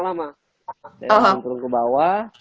saya turun ke bawah